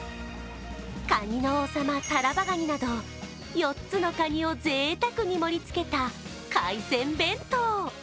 カニの王様、タラバガニなど４つのカニをぜいたくに盛り付けた海鮮弁当。